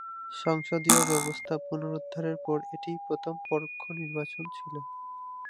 সংসদীয় ব্যবস্থা পুনরুদ্ধারের পর এটিই প্রথম পরোক্ষ নির্বাচন ছিল।